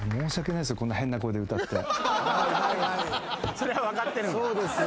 それは分かってるんだ。